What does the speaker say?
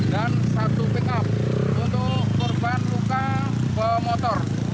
dan satu pickup untuk korban luka pemotor